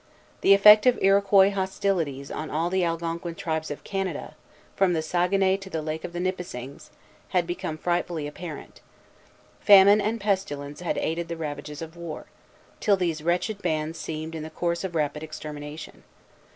The effect of Iroquois hostilities on all the Algonquin tribes of Canada, from the Saguenay to the Lake of the Nipissings, had become frightfully apparent. Famine and pestilence had aided the ravages of war, till these wretched bands seemed in the course of rapid extermination.